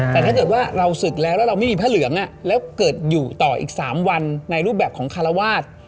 แต่ถ้าเกิดว่าเราศึกแล้วแล้วเราไม่มีพระเหลืองแล้วเกิดอยู่ต่ออีก๓วันในรูปแบบของคารวาส